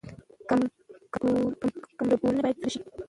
ګمرکونه باید عصري شي.